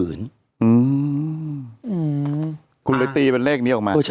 เออห้อ